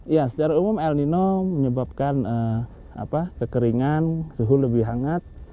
ya secara umum el nino menyebabkan kekeringan suhu lebih hangat